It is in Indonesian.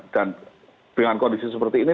dan dengan kondisi seperti ini